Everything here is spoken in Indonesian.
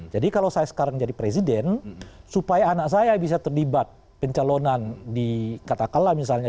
jadi kalau saya sekarang jadi presiden supaya anak saya bisa terlibat pencalonan di katakala misalnya